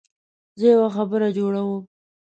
زه یو خبر جوړوم.